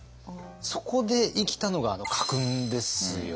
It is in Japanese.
そこで生きたのがあの家訓ですよね。